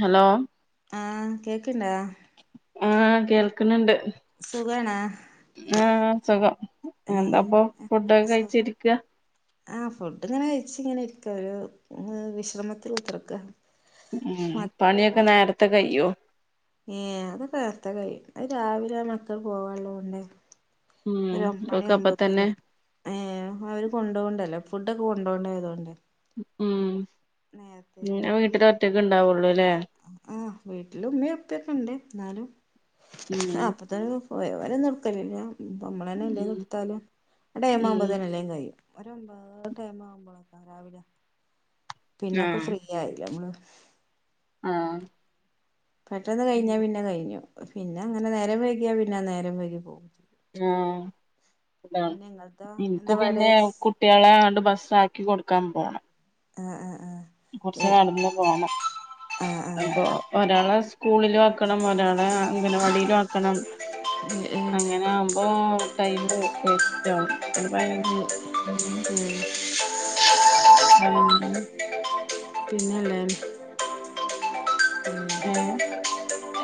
Hello ആഹ് കേക്ക്ണ്ടാ ആഹ് കേൾക്ണ് ണ്ട് സുഖണാ ആഹ് സുഖം എന്താപ്പൊ ഫുഡൊക്കെ സു കയ്ച്ചിരിക്കാ ആഹ് ഫുഡ്ങ്ങനെ കയ്ച്ച്ങ്ങനെരിക്കാ ഒരു വിശ്രമത്ത്ല് കുത്ത്റ്ക്കാ ഉം പണ്യോക്കെ നേരത്തെ കയ്യോ ഏ അതൊക്കെ നേരതേ കയും അഹ് രാവിലെ ആ മക്കള് പോവാള്ളൊണ്ട് ഉം ഒരു ഒമ്പ മണി ഒക്കെ അപ്പ തന്നെ ആകുമ്പോത്തന്നെ ഏ അവര് കൊണ്ട പോവണ്ടല്ലോ ഫുഡ് ഒക്കെ കൊണ്ടോണയതുകൊണ്ട് ഉം ഒരു നീയാവീട്ടില് ഒറ്റക്ക് ഉണ്ടാവുള്ളൂ അല്ലേ ആഹ് വീട്ടില് ഉമ്മയും ഉപ്പയൊക്കെ ഉണ്ട് എന്നാലും ഉം അപ്പത്ത പോയ പോല നടുക്കലില്ല നമ്മള തന്നെ എല്ലാ ഉം എടുത്താലും ഇവിട ഒൻപത്മാമ്പ ഉം തന്നെ എല്ലാം കഴിയും ഒരു ഒമ്പത് ഒമ്പതര ടൈം ആവുമ്പോളൊക്കെ രാവിലെ പിന്നൊക്കെ ഫ്രീ ആയില്ല നമ്മള് ആഹ പെട്ടെന്ന് കഴിഞ്ഞാ പിന്നെ കഴിഞ്ഞു പിന്നെ അങ്ങനെ നേരം വയ്‌കിയാ പിന്നെ നേരം വൈകി പോക ആഹ ഇങ്ങൾതോ എന്താ എനിക്ക് പാട് പിന്നെ കുട്ടികളാണ്ട് ബസാക്കി കീ കൊടുക്കാൻ പോണം ആഹ ആ കുറച്ച് നടന്ന് പോണം ഏഹ് ആഹ് ആഹ് അപ്പൊ ഒരാള സ്കൂളിലും ആക്കണം ഒരാളെ അങ്കനവാടിയിലും ആക്കണം ഉം ഉം അങ്ങനെ ആകുമ്പോ ടൈം പോകും വേസ്റ്റ് ആകും അവിടെ ഉം ഉം ആ പിന്നെല്ലേ ആ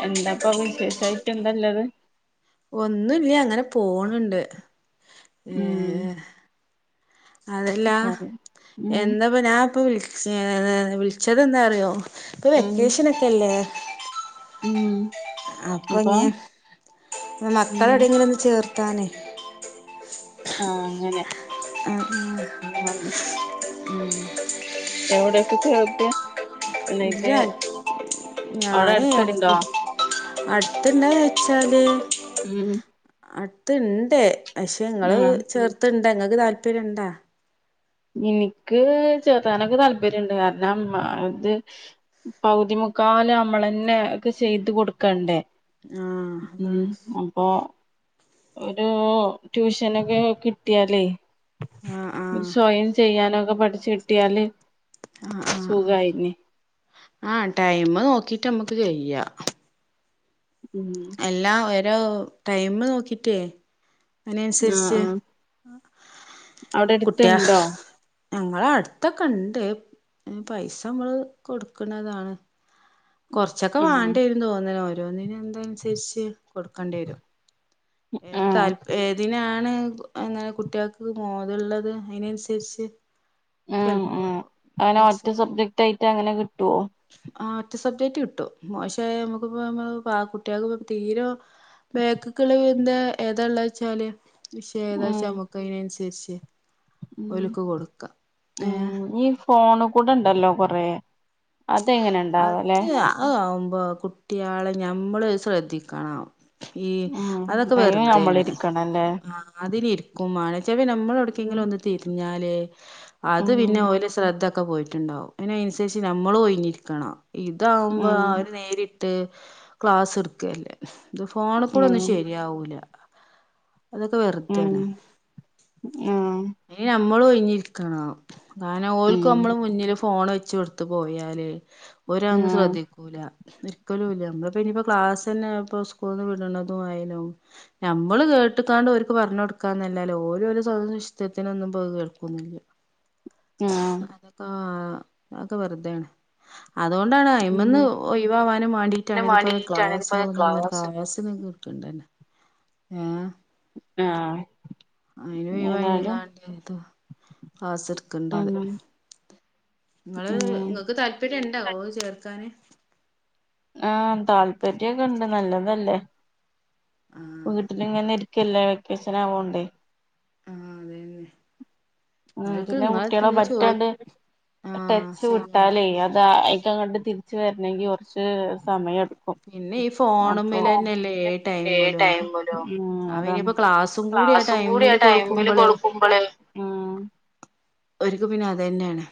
എന്താപ്പൊ വിശേഷായിട്ട് എന്തല്ലത് ഒന്നൂല്ല്യ അങ്ങനെ പോണണ്ട് ഉം ഏർ അതല്ല പറ ഉം എന്താപ്പ ഞാൻ ഇപ്പൊ വിളിച്ചത് വിളിച്ചത് എന്താന്നറിയോ ഇപ്പൊ ഉം വെക്കേഷൻ ഒക്കെല്ലേ ഉം അപ്പൊ ഇങ്ങ ഉം മക്കളെടെയെങ്കിലും ഒന്ന് ചേർത്താനേ ആഹ അങ്ങനെ ഉ ആ ഉം എവിടെ ടീച്ചറെ ഒരുത്തിയെ ഇല്ല അവിടെ ഞാനേ അടുത്തുണ്ടോ എടക്ക് അടുത്തുണ്ടാന്ന് വച്ചാല് ഉം ഉണ്ട് പക്ഷെ നിങ്ങള് ഉം ചേർത്തണ്ട് നിങ്ങക്ക് താല്പര്യം ഉണ്ടാ എനിക്ക് ചേർത്താനൊക്കെ താല്പര്യമുണ്ട് കാരണം ഇത് പകുതി മുക്കാലും നമ്മള് തന്നെ ഒക്കെ ചെയ്ത് കൊടുക്കണ്ടേ ആഹ് ഉം അതാണ് അപ്പൊ ഒരു ട്യൂഷനൊക്കെ കിട്ടിയാലേ ആഹ് ആഹ് സ്വയം ചെയ്യാനൊക്കെ പഠിച്ചു കിട്ടിയാല് ആഹ് ആഹ് ആഹ് സുഖായിന് ആഹ് ടൈമ് നോക്കിട്ട് നമ്മക്ക് ചെയ്യാം ഉം എല്ലാം ഓരോ ടൈമ് നോക്കീട്ടേ അതിന് ആഹ് അനുസരിച്ച് ആഹ് അവിടെ കുട്ടിയാ അടുത്തുണ്ടോ ഞങ്ങളെ അടുത്തൊക്കെ ഉണ്ട് പൈസ നമ്മള് കൊടുക്കണതാണ് കൊറച്ചൊക്കെ വാണ്ടി വരൂന്നു തോന്നണ് ഓരോന്നിനും തിരിച്ച് കൊടുക്കേണ്ടി വരും ഏതാ താ ആഹ് ഏതിനാ ണ് അങ്ങനെ കുട്ടികൾക്ക് ബോധമുള്ളത് അതിനനുസരിച്ച് ഉം ചിലപ്പോ ഉം അങ്ങനെ ഒറ്റ മാക്സോ സബ്ജക്ട് ആയിട്ട് അങ്ങനെ കിട്ടുവോ ആ ഒറ്റ സബ്ജക്റ്റ് കിട്ടും മോശമായാൽ നമുക്കിപ്പ നമ്മ ആ കുട്ടികൾക്ക് തീരെ ബാക്കിക്കുള്ളത് എന്താ ഏതാ ഉള്ളതെന്ന് വെച്ചാല് വിഷയം ഏതാ ഉം വെച്ചാ നമുക്ക് അതിന് അനുസരിച്ച് ഉം ഉം ഏഹ് ഈ ഫോണിൽ കൂടെ ഇണ്ടല്ലോ കൊറേ അതെങ്ങനെ ഉണ്ടാവല്ലേ അത് ആ ആവുമ്പൊ കുട്ടികളെ ഞമ്മള് ശ്രദ്ധിക്കണം ഈ ഉം അതൊക്കെ അയിന് വെറുതാണ് നമ്മളിരിക്കണല്ലേ ആ അതിലിരിക്കും ആ ന്ന് നമ്മള് ഉം എവിടക്കെങ്കിലും ഒന്ന് തിരിഞ്ഞാല് അത് പിന്നെ ഉം ഓല് ശ്രദ്ധ ഒക്കെ പോയിട്ടുണ്ടാവും അതിനനുസരിച്ച് നമ്മളും ഒഴിഞ്ഞിരിക്കണം ഇതാവുമ്പോ ഉം അവര് നേരി ക്ലാസ്സ് എടുക്കുകല്ലേ ഇത് ഫോണിൽ കൂടെ ഉം ഒന്നും ശരിയാവൂല്ല അതൊക്കെ വെറുതാണ് ആഹ് ഇനി നമ്മള് ഒഴിഞ്ഞി ഇരിക്കണം കാരണം ഓൽക്ക് ഉം നമ്മള് മുന്നില് ഫോണ് വെച്ച് കൊടുത്തു പോയാല് ഒരൊന്നും ആഹ് ശ്രദ്ധിക്കൂല ഒരിക്കലും ഇല്ല നമ്മളപ്പോ ഇനിയിപ്പോ ക്ലാസന്നെ ഇപ്പ സ്കൂള്ന്ന് വിടണതുയാലും നമ്മള് കേ എട്ട്ത്താണ്ട് അവരിക്ക് പറഞ്ഞു കൊടുക്കാന്നല്ലല്ലേ ഓല് സൊ സത്യത്തിനൊന്നുംപ്പ കേൾക്കോന്നില്ല ആഹ് അതൊക്കെ ആഹ് അത് വെറുതേണ് അതൊണ്ടാണ് ഉം അയ്മ്മേന്ന് ഒയിവാവാനും അതിന് വേണ്ടിയിട്ടാണ് ഇതിപ്പോ വേണ്ടിട്ടാണ് ഗ്ലാസ്സ് ഇപ്പോ ക്ലാസ് [unintelligible] ക്ക് ണ്ടേനു ഏഹ് ആഹ് അതിനു ഒയ് ഏതായാലും ഉം [unintelligible] നിങ്ങള് ഉം നിങ്ങക്ക് താല്പര്യണ്ടോ ഓഹ് ചേർക്കാന് ആഹ് താല്പര്യൊക്കെണ്ട് നല്ലതല്ലേ ആഹ് വീട്ടിലിങ്ങനെ ക്കില്ലാ വെക്കേഷനാവൊണ്ടേ ആഹ് അതെന്നെ ഉം പിന്നെ കുട്ടിയള് ചോയ് പറ്റാണ്ട് ആഹ് ടച്ച് ശരിയാണ് വിട്ടാലേ അത് [unintelligible] തിരിച്ച് വരണെങ്കി കുറച്ച് സമയെടുക്കും പിന്നെ ഈ അപ്പൊ ഫോണുമ്മലന്നെല്ലേ ഏ ടൈമിലും ടൈമ [unintelligible] ഉം ആ അതാണ് ഇനിയിപ്പോ ക്ലാസ്സും കൂടി ആ ക്ലാസ്സും കൂടി ടൈമില് ആണ് ടൈമില് കൊടുക്കുമ്പോള് കൊടുക്കുമ്പോളേ ഒര്ക്ക് പിന്നെ അതന്നാണ്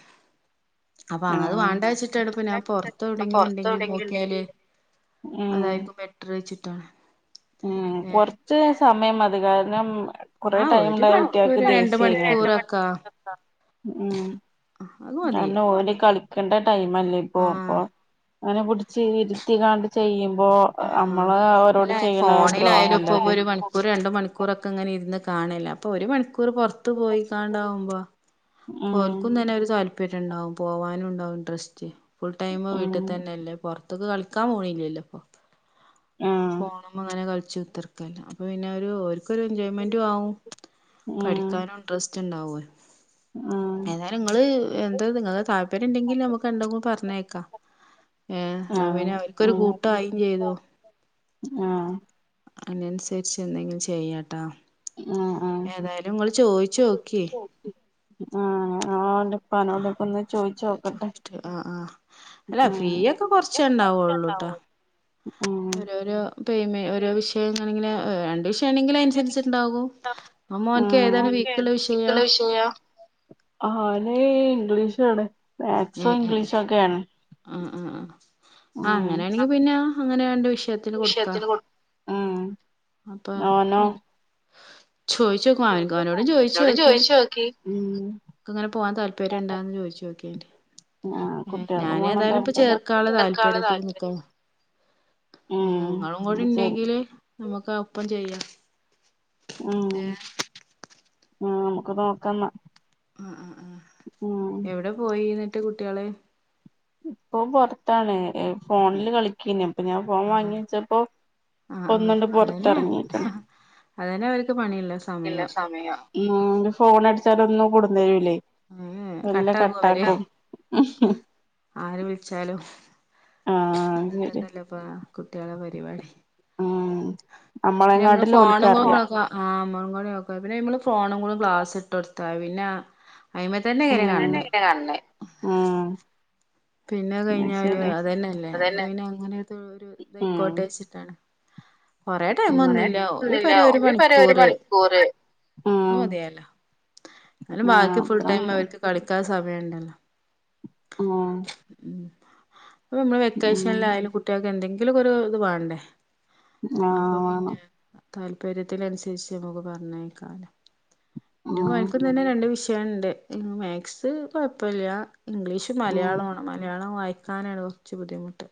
അപ്പൊ അത് ആഹ് വാണ്ടാച്ചിട്ടാണ് ഇപ്പ ഞാൻ പൊറത്ത് എവിടെങ്കിലും പൊറത്ത് ഇണ്ടെങ്കില് എവിടെയെങ്കിലും ഉണ്ടെ നോക്കിയാല് ഉം അതായിരിക്കും ബെറ്റർ വെച്ചിട്ടാണ് ഉം ഏഹ് കൊറച്ച് സമയം അത് കാരണം കൊറെ ആഹ് ടൈം ഒരു ഉണ്ടായ കുട്ടി മണിക്കൂർ കൾക്ക് രണ്ട് ദേഷ്യം മണിക്കൂറൊക്കാ ഉം അത് മതി എന്നെ ഓന്റെ കളി ക്കണ്ട ടൈമല്ലേ ഇപ്പൊ അപ്പൊ ആഹ് അങ്ങനെ പിടിച്ച് ഇരുത്തികാണ്ട് ചെയ്യും ആഹ് നമ്മള് അവരോട് അല്ല ചെയ്യണ ഫോണിലായാലും ദ്രോഹല്ലേ ഇപ്പോ അത് ഒരു മണിക്കൂർ രണ്ടു മണിക്കൂർൊക്കെ ഇങ്ങനെ ഇന്ന് കാണല അപ്പൊ ഒരു മണിക്കൂർ പുൊറത്ത്ു പോയിക്കാണ്ടാവുമ്പോ ഉം കോൽക്കന്ന് തന്നെ ഒരു താല്പര്യം ഉണ്ടാവും പോവാനുംണ്ടാവും ഇൻട്രസ്റ്റ് ഫുൾ ടൈമ ഉം വീട്ടിൽ തന്നെല്ലേ പുൊറത്തേക്ക് കളിക്കാൻ പോണല്ലല്ലോ ഇപ്പൊ ആഹ് പോോണ അങ്ങനെ കളിച്ചു [unintelligible] ഉത്തർക്കല്ല അപ്പൊ പിന്നെ ക്ക എൻജോയ്മെന്റ ആവുംും പഠിക്കാനും ഇൻട്രസ്റ്റ് ഉണ്ടാവ [unintelligible] ആഹ ഏതാ നിങ്ങള് എന്താ നിങ്ങ താല്പര്യം ഉണ്ടെങ്കിലിൽ നമുക്ക് എണ്ടെങ്കിലും പറഞ്ഞേക്കാം ഏ അ ആഹ് പിന്നെ അവർക്കൊരു കൂട്ടായയും ചെയ്തു ആഹ അതിനനുസരിച്ച് എന്തെങ്കിലും ചെയ്യട്ടോ ഉം ഉം ഏതായാലും നിങ്ങള്ൾ ചോയിിച്ചു നോക്കി ആഹപ്പനോടൊക്ക ഒന്ന് ചോയിിച്ച നോക്കട്ടെ ആ ആ അല്ല ഫീ ഒക്കെ കൊറച്ച ഉണ്ടാവള്ളൂ ട്ടാ ഉം ഓരോരോ പ്മ ഓരോ വിഷയം ങ്ങ ഇങ്ങനെ രഷ [unintelligible] പക്ഷേണെങ്കില അനുസരിച്ചുണ്ടാാവും അ മോനക്ക് ഉം. ഏതാണ് വീക്കള്ള വിഷയാ ആനെ ഇംഗ്ലീഷ് ആണ ഏ ഏഏ ആആആ ഉം അങ്ങനെയാണെങ്കി പിന്നെ അങ്ങനെയണ്ട് വിഷം വിഷയത്തിന് കൊ ഉം അപ്പൊ ഓനോ ചോദിച്ചുനോക്ക് മാനൂ കാക്കാനോട് ചോദിച്ചു എന്നോട് നോക്കി ചോയിച്ചു നോക്കി ഉം ഇങ്ങനെ പോവാൻ താല്പര്യം ഉണ്ടാന്ന് ചോിച്ചു നോക്കിയണ്ട് ആഹ് ഞാന കുട്ടികൾക്കും വേണം ഏതായാലും ഇപ്പൊ താല്പര്യം ചേർക്കാനുള്ള ചേർക്കാനുള്ള താല്പര്യത്തി താല്പര്യം നിക്കാണ് ഉം നിങ്ങളും കൂടെ അത് ശരി ഇണ്ടെങ്കില് നമുക്ക് ഒപ്പം ചെയ്യാം ആ നമുക്ക് ഒപ്പം നോക്കന്നാ അ അ അ എവിടെ പോയി എന്നിട്ട് കുട്ടികള് ഇപ്പൊ പുൊറത്താണ് ഫോണില് കളിക്കന്നെ അപ്പൊ ഞാൻ പോവാാൻ ആ വാങ്ങി വച്ചപ്പോ ആ ആ ഒന്നുണ്ട് അതന്നെ പുറത്തിറങ്ങിക്കണ് അതന്നെ അവര് ഇല്ല സമയം ഉ ഫോൺഅടിച്ചാലെന്നും കൊടുന്നു തരൂല്ലേ മ്.. കട്ടാക്കുഅവര് ആര് വിളിച്ചാലും ആഹ് ശരി ഇന്നത്തെക്കല്ല ഇപ്പ കുട്ടികളെ പരിപാടി ഉം പി നമ്മള് നമ്മളെങ്ങാട്ടിലും ഫോണും ഓൽക്കറിയാ കൂക്ക ആ പിന്നെ നമ്മള് ഫോണും കൂടി ഗ്ലാസ് ഇട്ട കൊടുത്ത പിന്നെ ഉം അയി്മത്തന്നെക്കാരം കണ്ണ് ഉം പിന്നെ അത് കഴിഞ്ഞല് ശരിയാ അത തന്നെയല്ലേ അപ്പൊ അതന്നെ പിന്നെ അങ്ങനെ ഒരു ഉം ഇതയിക്കോട്ടെച്ചിട്ടാണ് കൊറേ കൊറേ ടൈമന്നുല്ല ടൈമൊന്നുല്ല ഒരുപറയ് ഒരു പെര ഒരു മണിക്കൂറ് മണിക്കൂറ് ഉം അതുമതിഅല്ലോ എന്നാലും ആഹ് ബാക്കി ഫുൾ അത്ര ടൈം മതി അവർക്ക് കളിക്കാ സ സമയമുണ്ടല്ലോ ആ അപ്പൊ നമ്മള് വെക്കേഷനൽ ആയാലും കുട്ടികൾക്ക് എന്തെങ്കിലുംക്ക ഇത് വേണ്ടേ ആ വേണം താല്പര്യത്തി അനുസരിച്ച് നമുക്ക് പറഞ്ഞേയക്കാലോ എന്റെ ഉം മോൻക്ക് തന്നെ രണ്ടു വിഷയം ണ്ട് മാക്സ് കുഴപ്പമില്ല ഇംഗ്ലീഷ് ഉം മലയാളം മലയാളം വായിക്കാനാണ് കൊറച്ച് ബുദ്ധിമുട്ട്.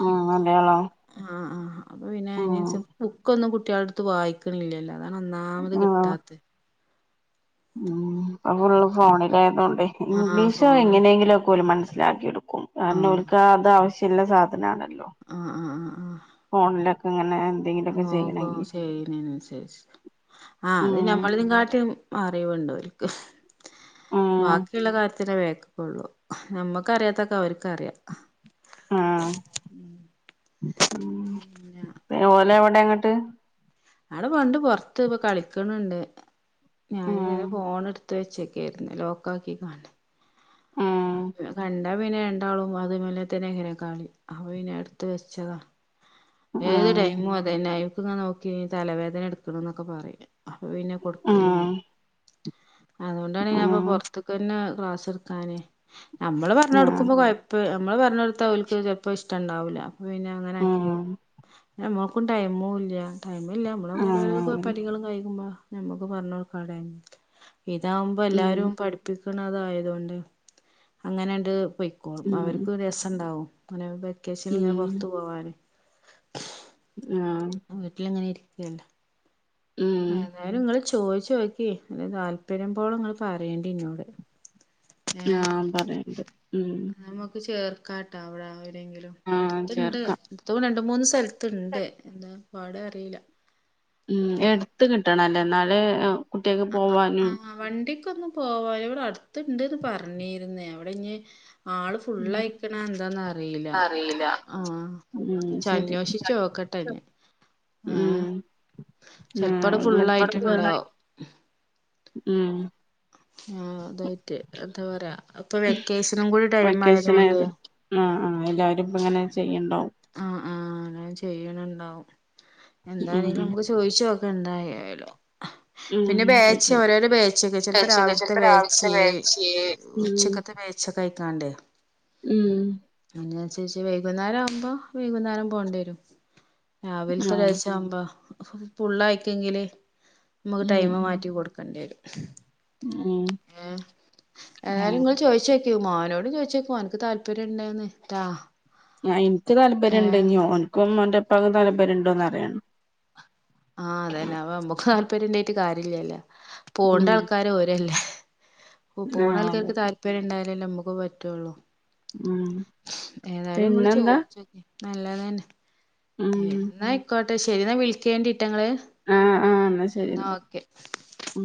ഉം മലയാളം ആ ആ അപ്പോ പിന്നെ ഉം അയിനനുസരിച്ച് ബുക്കൊന്നും കൊട് കുട്ടികളുടുത്ത് വായിക്കണില്ലല്ലോ അതാണ് ഒന്നാമത് കിട്ടാത്തെ. മ് ഇപ്പോ ഫുള്ള് ഫോണിലായതൊണ്ടെ ആഹ് ഇംഗ്ലീഷോ ഫോണ് എങ്ങനെങ്കിലും ഒക്കെ ഓന് മനസ്സി മനസ്സിലാക്കിയെടുക്കും, കാരണം അര്ക്ക് ആ അത് ആവശ്യള്ള സാധനാണ്. ആ ആ ആ ആ അങ്ങനെ നോക്കും ശ്യനനുസരിച്ച് ആ അത് പിന്നെ ഉം ഞമ്മളില് കാട്ടിയും അറിവുണ്ട് ഓര്ക്ക്, ഉം ബാക്കിയുള്ള കാര്യത് [unintelligible] വേക്കക്കൊള്ളു, നമ്മക്ക് അറിയാത്തൊക്കെ അവർക്കറിയാം. ആ പിന്നെ മ് ഓലെ എവിടെങ്ങട് ട്ട് അടെ പണ്ട് പൊറത്ത് ഇപ്പോ കളിക്കണണ്ട് ഉം ഞാനിങ്ങനെ ഫോൺ എടുത്ത് വെച്ചേ ക്കെരുന്ന്, ലോക്കാക്കിക്കാണല്ലേ. ഉം കണ്ടാ പിന്നെ രണ്ടാളും അത് മലെ തന്നെ ഇങ്ങന കളി അപ്പോ പിന്നെ എടുത്ത് വെച്ചതാ. ഉം ഏത് ഉം ടൈമും അത് തന്നെ ആയി ഇത് ഇങ്ങനെ നോക്കി തലവേദന എടുക്കണ്ന്നൊക്കെ പറയും, അപ്പോ പിന്നെ ഉം കൊടുക്കലില്ല. ആഹ് അതുകൊണ്ടാണ് ഞാൻ ഇപ്പോ ഉം പൊറത്തക്ക് തന്നെ ക്ലാസ് എടുക്കാന് നമ്മള് പറഞ്ഞ് ആഹ് കൊടുക്കുമ്പോ കൊഴപ്പ നമ്മള് പറഞ്ഞൊടുത്ത ഓൽക്ക് ചെലപ്പോ ഇഷ്ടണ്ടാവുല്ല, അപ്പ പിന്നെ അങ്ങനെ ഉം ആക്കിയതാ. ഉം നമ്മക്കും ടൈമും ഇല്ല ടൈമല്ല നമ്മള് ഓരോരോ ഉം പടികളും കഴിക്മ്പോ ഞമ്മക്ക് പറഞ്ഞു കൊടുക്കാൻ ടൈം ഇതാവുമ്പോ എല്ലാരും പഠിപ്പി ത ആയത കൊണ്ട് അങ്ങനെണ്ട് പൊക്കോളും അവർക്ക് രസം ണ്ടാവും അങ്ങനെ വെക്കേഷനിൽ ഇങ്ങനെ പുറത്തു പോവാന് ആഹ് വീട്ടിലിങ്ങനെ ഇരിക്കല്ലേ ഉം ഏതായാലും ഇങ്ങള് ചോയ് ചോക്കി ന്നട്ട് താല്പര്യം പോണെ ഇങ്ങള് പറയണ്ടി ഇന്നോട് ഏ ആഹ് പറയണ്ട് ഉം നമുക്ക് ചേർ കാട്ട അവടെ എവടെങ്കിലും ആഹ് അടുത്ത്ണ്ട് ചേർക്കാം അടുത്ത രണ്ട് മൂന്ന് സ്ഥലത്ത്ണ്ട് എന്താ പാട് അറീല്ല ഉം എട്ത്ത് കിട്ടണല്ലേ എന്നാലെ കുട്ട്യേക്ക് പോവാനും നമുക്ക് പോവാലോ ഇവിടെ അടുത്ത്ണ്ട്ന്ന് പറഞ്ഞിര്ന്ന് അവിടെ ഇഞ്ഞ് ആള് ഉം ഫുള്ളയ്ക്കണോ എന്താന്നറീല്ല അറിയില്ല ആ ഉം ശരി അന്വേഷിച്ചു നോക്കട്ടെ ഞ്ഞ് ആ ഉം ചെൽപ്പടെ ആഹ് നോക്കിട്ട് പറ ഫുള്ളായിട്ട്ണ്ടാവും ഉം ആ അതായിട്ട് എന്താ പറയാ അപ്പൊ വെക്കേഷനും കൂടി ടൈം ആയതോണ്ടെ അല്ല അവരിപ്പ ഇങ്ങനെ ചെയ്യ്ണ്ടാവും ആഹ് ആഹ് അങ്ങനെ ചെയ്യണുണ്ടാവും ഉം എന്താണെങ്കിലും നമുക്ക് ചോയിചോക്ക ന്തായാലും ഉം പിന്നെ ഉം ബേച്ച് ചോയ്ച്ചോ ഓരോരോ ബേച്ചൊക്കെ ചിലപ്പോ വെച്ചൊക്കെ രാവിലത്തെ ചെലപ്പോ രാവിലത്തെ ബേച്ച് വേച്ചേ ഉം ഉച്ചക്കത്തെ ബേച്ചക്കെ ആ ക്കാണ്ടെ ഉം അയ്നാൻസരിച്ച് വൈകുന്നേരം ആവുമ്പോ വൈകുന്നേരം പോണ്ടി വരും രാവിലത്തെ ആഹ് ഒരാഴ്ച്ച ആവുമ്പോ ഫുള്ളായിക്കെങ്കില് നമുക്ക് ഉം ടൈമ് ഉം മാറ്റി കൊടുക്കേണ്ടിരും ഉം ഏ എതായാലും ആഹ് ങ്ങൾ ചോയ്ച്ചോക്കി മോനോട് ചോയ്ച്ചോക്ക് ഓൻക്ക് താല്പര്യം ഉണ്ടോന്ന് ട്ടാ ഞാൻ ഇൻക്ക് താല്പര്യണ്ട് ഏഹ് ഞോൻ ക്കും ഓന്റെ പ്പാക്കും താല്പര്യം ഉണ്ടോന്ന് അറിയണം താല്പര്യണ്ടായിട്ട് കാര്യല്ലല്ലോ പോണ്ട ഉം ആൾക്കാര് ഓരല്ലേ ഓ പോണ ആഹ് അതെ ആൾക്കാർക്ക് താല്പര്യം ഇണ്ടായാലല്ലേ നമ്മക്കും പറ്റുള്ളൂ ഉം ഏതായാലും ങ്ങള് പിന്നെന്താ ചോയ്ച്ചോക്കി നല്ലതന്നെ ഉം ന്നാ അയ്ക്കോട്ടെ ശരി ന്നാ വിളിക്കേണ്ടി ട്ടങ്ങള് ആഹ് ആഹ് ഇന്നാ ശരി ന്നാ ഇന്നാ ഓക്കെ ഉം